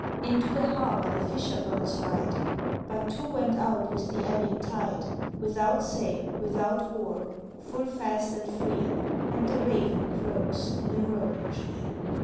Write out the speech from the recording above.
_) Into the harbour the fisher boats ride, But two went out with the ebbing tide, Without sail, without oar, full fast and free, And the raven croaks in the rowan tree.